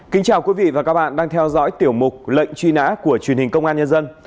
kính chào quý vị và các bạn đang theo dõi tiểu mục lệnh truy nã của truyền hình công an nhân dân